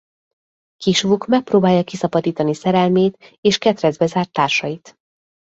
Kis Vuk megpróbálja kiszabadítani szerelmét és ketrecbe zárt társait.